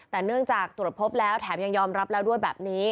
แต่เนื่องจากตรวจพบแล้วแถมยังยอมรับแล้วด้วยแบบนี้